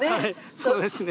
そうですね。